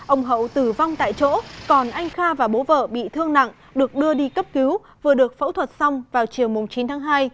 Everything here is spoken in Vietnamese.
ông hậu tử vong tại chỗ còn anh kha và bố vợ bị thương nặng được đưa đi cấp cứu vừa được phẫu thuật xong vào chiều chín tháng hai